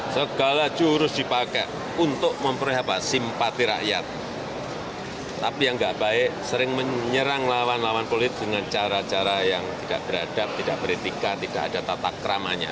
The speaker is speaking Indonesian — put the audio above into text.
segala jurus dipakai untuk memperhatikan simpati rakyat tapi yang gak baik sering menyerang lawan lawan politik dengan cara cara yang tidak beradab tidak beretika tidak ada tatak ramanya